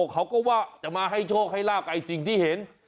เขาก็ว่าจะมาให้โชคให้ลาบกับสิ่งที่เห็น